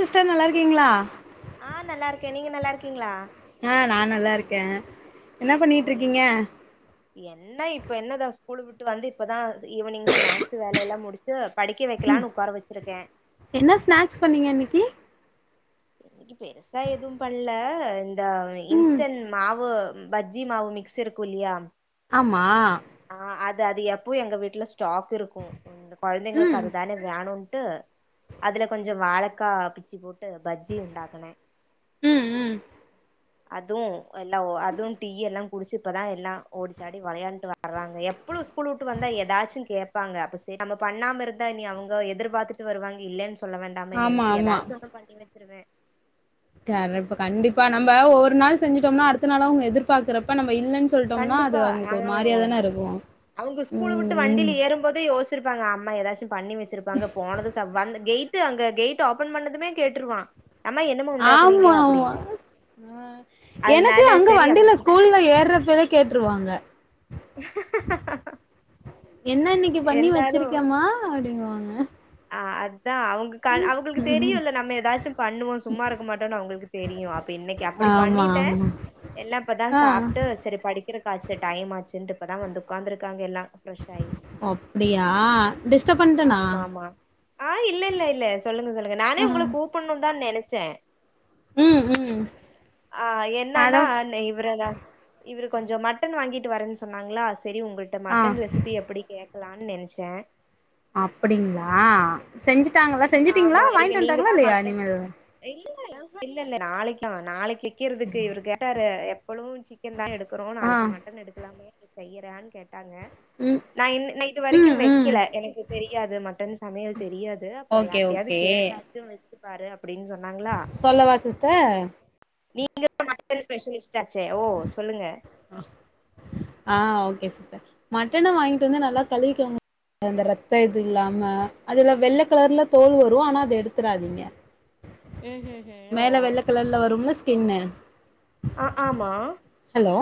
sister நல்லா இருக்கீங்களா ஆ நல்லா இருக்கே நீங் நல்லா இருக்கீங்களா ஆ நா நல்லா இருக்கே என்ன ஓ பண்ணிட்டு என் இருக்கீங்க என்ன இப்ப என்ன தே ஸ்கூல் விட்டு வந்து இப்பதா ஈவினிங் ஸ்நாக்ஸ் வேலைலா முடிச் து படிக்க வைக்கலான் உக்கார வச்சிருக்கே என்ன ஸ்நாக்ஸ் பண்ணீங்க இன்னிக்கி இன்னிக்கி பெருசா எதுவூ பண்ணல இந்த ம் இன்ஸ்டன் மாவு பஜ்ஜி மாவு மிக்ஸ் இருக்கூ இல்லியா ஆமா ஆ அது அது எப்பவூ எங்க வீட்டுல ஸ்டாக் இருக்கூ இந்த குழந்தைங்களுக்கு ம் அதுதானே வேணும்ட்டு அதுல கொஞ்சொ வாழக்கா பிச்சு போட் பஜ்ஜி உண்டாக்கனே ம் ம் அதூம் எல்லா வே அதுவூ டீ எல்லா குடிச்சு இப்பதா எல்லா ஓடிச்சாடி விளையாண்டு வா வர்றாங்க எப்பலூ ஸ்கூல் விட்டு வந்தா ஏதாச்சும் கேப்பாங்க சேரி நம்ம பண்ணாம இருந்தா இனி அவங்க எதிர்பாத்துட்டு விட்டு வருவாங்க இல்லென்னு சொல்ல வேண்டாமே ஆமா நெனைச்சு ஆமா ஏதாச்சு ஒன்னு பண்ணி வச்சிருவே தரப்ப கண்டிப்பா நம்ம ஒரு நாள் செஞ்சிட்டோம்னா அடுத்த நாள் அவங்க எதிர்பாக்கறப்ப நம்ம இல்லன்னு சொல்லிட்டோம்னா அது கண்டிப்பா அவங்களுக்கு ஒரு மாரியா அஹ் தான இருக்கு அவங்க ஸ்கூல் விட்டு ம் ம் வண்டியில ஏறும்போதே யோஸ் ச்சிருப்பாங்க அம்மா ஏதாச்சு பண்ணி வச்சிருப்பாங்க போனது சாப் வந்து கேட் ட்டு அங்க கேட் ஓபன் பண்ணதுமே கேட்டுருவா அம்மா என்னமா ஆமா உண்டாக்குனீங்க ஆமா அப்படீனூ ஆ அதனால சேரி அப்படி ப்ப ஏறப்பவே கேட்டுருவாங்க என்ன இன்னிக்கு பண்ணி எல்லாரு வச்சிருக்கமா அப்படிங்குவாங்க ஆ அத்தா அவூங்க கா அவங்களுக்கு தெரியூல்ல நம்ம ஏதாச்சூ பண்ணுவோ சும்மா இருக்க மாட்டோன்னு அவுங்களுக்கு தெரியூ அப்பிடி இன்னிக்கி அப்படி ஆமா பண்ணிட்டேன் ஆமா எல்லா இப்பதா ஆ சாப்ட்டு சேரி படிக்கிறதுக்காச்சு டைம் ஆச்சுன்ட்டு இப்பதா வந்து உக்காந்துருக்காங்க எல்லா ஃப்ரெஷ் ஆயி அப்படியா டிஸ்டர்ப் பண்ட்டேண்ணா ஆஹ் இல்ல இல்ல இல்ல சொல்லுங்க சொல்லுங்க நானே உங்களுக்கு கூப்பட்ணூ தா நெனைச்சென் ம் ம் ஆ அதா என்னன்னா நா இவரதா இவரு கொஞ்சொ மட்டன் வாங்கிட்டு வரேன்னு சொன்னாங்களா சேரி உங்கள்ட ஆ மட்டன் ரெசிபி ப்பி எப்படி கேக்கலான்னு நெனைச்சே அப்டிங்களா செஞ்சுட்டாங்களா செஞ்சுட்டீங்களா வாங்கிட்டு வந்ட்டாங்களா இல்லயா இனிமேல் இ இல்ல இல்ல இல்ல இல்ல நாளைக்குதா நாளைக்கி வைக்கிறதுக்கு இவரு கேட்டாரு எப்பளும்ச்சு சிக்கன் தா எடுக்கிறோ ஆ நாளைக்கு மட்டன் எடுக்கலாமே செய்யறோன்னு கோட்டாங்க ம் நா இன் இது வரைக்கூ ம் ம் வைக்கல எனக்கு தெரியாது மட்டன் சமையல் தெரியாது ஓகே யார்டயாது ஓகே கேட்டாச்சு வச்சு பாரு அப்டின்னு சொன்னாங்களா சொல்லவா சிஸ்டர் நீங்க தா மட் ஸ்பெஷலிஸ்ட் ஆச்சே ஓ சொல்லுங்க ஆ ஓகே சிஷ்டர் மட்டன வாங்கிட்டு வந்து நல்லா கழுவிக்கோங்க அந்த ரத்த இது இல்லாம அதுல வெள்ள கலர்ல தோல் வரூ ஆனா அத எடுத்துடாதீங்க ம் ம் ம் ஓ மேல வெள்ள கலர்ல வரும்ல ஸ்கின்னு அ ஆமா ஹலோ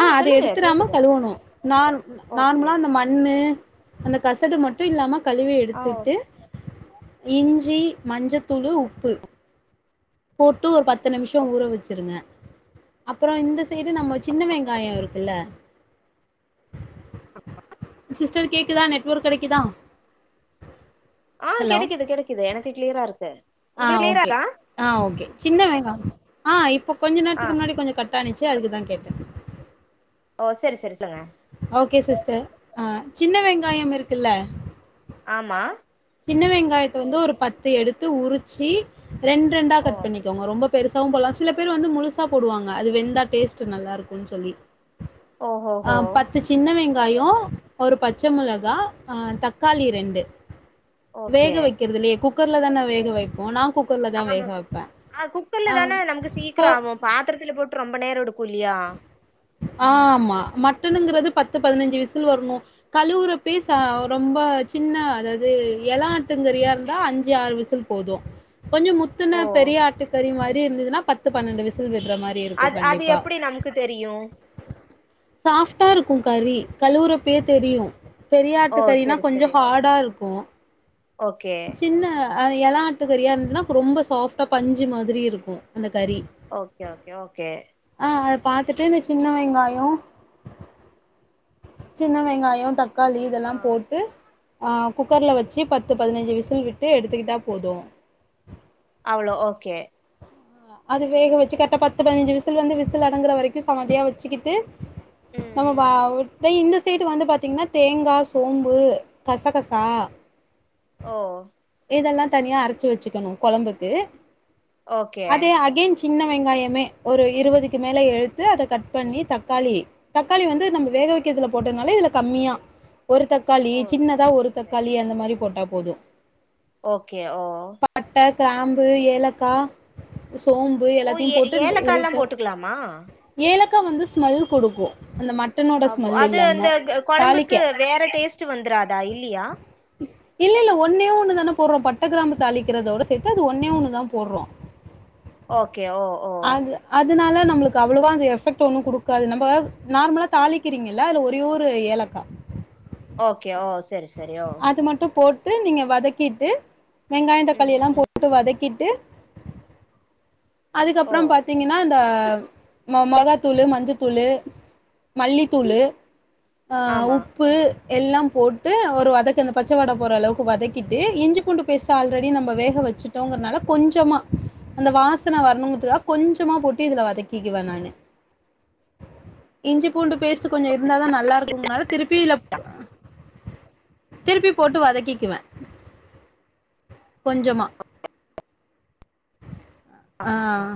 ஆ அத சொல்லுங்க எடுத்துராம கேக்குது கழுவணோ நா ஓகே நார்மலா அந்த மட் ண்ணு அந்த கசடு மட்டு இல்லாம கழுவி ஆ ஓ எடுத்துட்டு இஞ்சி மஞ்சத்தூளு உப்பு போட்டு ஒரு பத்து நிமிஷ ஊற வச்சிருங்க அப்பறோ இந்த சைடு நம்ம சின்ன வெங்காய இருக்குல்ல [unintelligible] சிஸ்டர் கேக்கு தா நெட்ஒர்க் கெடைக்குதா ஆ ஹலோ கிடக்கிது கிடக்கிது எனக்கு க்ளியரா இருக்கு ஆ உங்களுக்கு கிளியரா ஓகே இருக்கா ஆ ஓகே சின்ன வெங்கா ஆ இப்போ கொஞ்ச ஆ நேரத்துக்கு முன்னாடி கொஞ்ச கட் டாணிச்சு அதுக்குதா கேட்ட ஓ சரி சரி சொல்லங்க ஓகே ஆ சின்ன வெங்காயம் இருக்குல்ல ஆமா சின்ன வெங்காயத்த வந்து ஒரு பத்து எடுத்து உரிச்சு ரெண்ட்ரெண்டா ஓ கட் பண்ணி க்கோங்க ரொம்ப பெருசாவு போலா சில பேர் வந்து முழுசா போடுவாங்க அது வெந்தா டேஸ்ட்டு நல்லா இருக்குன் சொல்லி ஆ ஓஹோஹோ பத் து சின்ன வெங்காயோ ஒரு பச்ச மொளகா ஆ தக்காளி ரெண்டு ஓகே வேக வக்கிறதுலே குக்கர்ல தான வேக வைப்போ நா குக் ஆமா சிஸ்டர் ஆ குக்கர்ல தான நமக்கு போ சீக்ரோ ஆவு பாத்துரத்துல போட்டு ரொம்ப நேர எடுக்கு இல்லையா ஆமா மட்டனுங்குறது பத்து பதினஞ்சு விசில் வர்ணு கழுவுரப்பே ச ரொம்ப சின்ன அதாது எல ஆட்ங்கறியா இருந்தா அஞ்சு ஆறு விசில் போது கொஞ்சோ ஓ முத்துன பெரிய ஆட்டுக்கறி மாரி இருந்ததுன்னா பத்து பன்னெண்டு விசில் விட்ற மாரி அத் அது எப்டி நமக்கு தெரியு சாஃப்டா இருக்கு கறி கழுவுறப்பயே தெரியு பெரிய ஓ ஆட்டு கறினா செரி கொஞ்சோ செரி ஹாட்டா இருக்கு ஓகே சின்ன ஆ எல ஆட்டு கறியா இருந்துதுன்னா ரொம்ப சாஃப்ட்டா பஞ்சு மாதிரி இருக்கு அந்த கறி ஓகே ஓகே ஓகே ஆ அத பாத்துட்டு இந்த சின்ன வெங்காயோ சின்ன வெங்காயோ தக்காளி இதெல்லா ஆ போட்டு ஆ குக்கர்ல வச்சு பத்து பதினஞ்சு விசில் விட்டு எடுத்துக்கிட்டா போது அவ்ளோ ஓகே அது வேக வச்சு கரெட்டா பத்து பதினஞ்சு விசல் வந்து விசில் அடங்குற வரைக்கு சமதியா வச்சுக்கிட்டு ம் நம்ம வா ம் இந்த சைடு வந்து பாத்தீங்கன்னா தேங்கா சோம்பு கசகசா ஓ இதெல்லா தனியா அரச்சு வச்சுக்கணு கொழம்புக்கு ஓகே அதே அகேன் சின்ன வெங்காயமே ஒரு இருவதுக்கு மேல எழுத்து அத கட் பண்ணி தக்காளி தக்காளி வந்து நம்ம வேக வக்கிறதுல போட்டனால இதுல கம்மியா ஒரு தக் காளி ஓ செரி சின்னதா ஒரு செரி செரி தக்காளி அந்த மாரி போட்டா போது ஓகே ஓ பட்ட கிராம்பு ஏலக்கா சோம்பு ஓ எல்லாத்தையு ஏ போட்டு ஏலக்கால்லா லைட்டா போட்டுக்கலாமா ஏலக்கா வந்து ஸ்மெல் குடுக்கு அந்த மட் ஆகு அது அந்த க கொழம்புக்கு வேற டேஸ்ட்டு வந்துராதா இல்லியா இல்ல இல்ல ஒன்னே ஒண்ணு தான போட்றோ பட்ட கிராம்பு தாளிக்றதோட சேத்து அது ஒன்னே ஒண்ணுதா போட்றோ ஓகே ஓ ஓ அது அதுனால நம்மளுக்கு அவ்ளோவா அந்த எஃபெக்ட் ஒன்னு குடுக்காது நம்ப நார்மலா தாளிக்கிறீங்க ல அதுல ஒரே ஒரு ஏலக்கா ஓகே ஓ சரி ச அது மட்டு போட்டு நீங்க வதக்கிட்டு வெங்காய ம் தக்காளி எல்லா ம் போட்டு வதக்கிட்டு ஓ அதுக்கப்றம் பாத்தீங்கன்னா இந்த மா மொளகாத்தூளு மஞ்சத்தூளு மல்லித்தூளு ஆ ஆமா உப்பு எல்லாம் போட் ட்டு ஒரு வதக்கந பச்ச வாட போற அளவுக்கு வதக்கிட்டு இஞ்சி பூண்டு பேஸ்ட் ஆல்ரெடி நம்ம வேக வச்சு டோங்கறனால கொஞ்சமா அந்த வாசன வரணுங்கறதுக்கா கொஞ்சமா போட்டு இதுல வதக்கிக்குவே நானு இஞ்சி பூண்டு பேஸ்ட்டு கொஞ்ச இருந்தாதா நல்லா இருக்குனால திருப்பி லப் திருப்பி போட்டு வதக்கிக்குவே கொஞ்சமா அஆ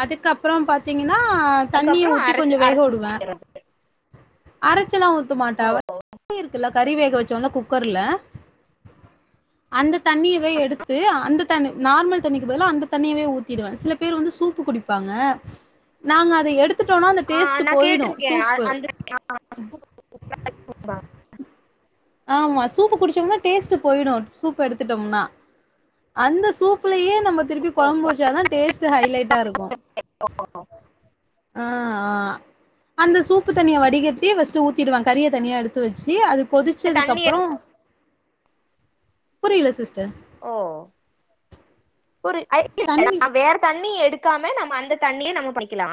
அதுக்கப்றோ பாத்தீங்கின்னா தண்ணிய அதுக்கப்புறோ ஊத்தி அரச்சு கொஞ்சு வேஹ அரச்சு வுடுவே ஊத்திக்கிறது அரைச்சலா ஊத்து மாட்டே ஓ அவ ஏ இருக்குல்ல கறி வேக வச்சோன குக்கர்ல அந்த தண்ணியவே எடுத்து அந்த தண்ணி நார்மல் தண்ணிக்கு பதிலா அந்த தண்ணியவே ஊத்திடுவே சிலப் பேர் வந்து சூப்பு குடிப்பாங்க நாங் அது எடுத்துட்டோனா அந்த டேஸ்ட்டு போய்டு சூப்பு அ அ ஆமா சூப்பு குடிச்சோம்னா டேஸ்ட்டு போய்டு சூப் எடுத்துட்டொம்னா அந்த சூப்லயே நம்ம திருப்பி கொழம்பு வச்சாதா டேஸ்ட்டு ஹைலைட்டா இருக்கு ஆ ஆ அந்த சூப்பு தண்ணிய வடிகட்டி ஃபஸ்ட்டு ஊத்திடுவே கறிய தனியா எடுத்து வச்சி அது கொதிச் தண்ணி ச்சதுக்கப்றோ புரில சிஸ்ட ஓ ஒரு ஐ தண்ணி வேற் தண்ணிய எடுக்காம நம்ம அந்த தண்ணியே நம்ம புடிக்கலா